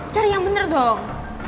cari yang bener dong